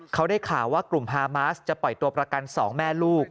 เขาได้ข่าวว่ากลุ่มฮามาสจะปล่อยตัวประกัน๒แม่ลูก